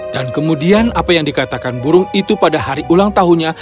dan kemudian apa yang dikatakan burung itu pada hari ulang tahunnya